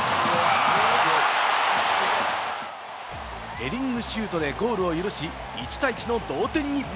ヘディングシュートでゴールを許し、１対１の同点に。